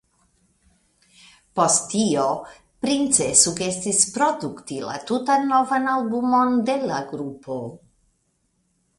Post tio Prince sugestis produkti la tutan novan albumon de la grupo.